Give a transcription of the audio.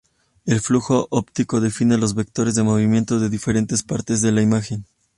El flujo óptico define los vectores de movimiento de diferentes partes de la imagen.